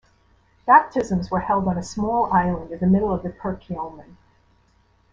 Baptisms were held on a small island in the middle of the Perkiomen.